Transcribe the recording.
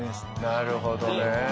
なるほどね。